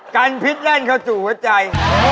กันพิษแล่นเข้าสู่หัวใจ